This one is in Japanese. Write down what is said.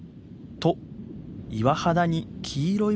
岩肌に黄色いものが！